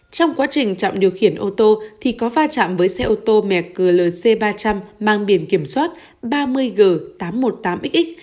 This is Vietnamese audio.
trong quá trình trọng điều khiển ô tô thì có va chạm với xe ô tô mẹ glc ba trăm linh mang biển kiểm soát ba mươi g tám trăm một mươi tám xx